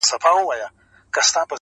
د سېلیو هیبتناکه آوازونه.!